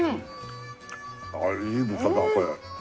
ああいい豚だこれ。